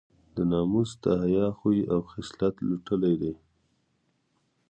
د ناموس د حیا خوی او خصلت لوټلی دی.